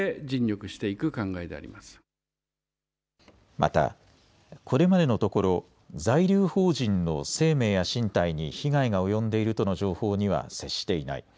また、これまでのところ在留邦人の生命や身体に被害が及んでいるとの情報には接していない。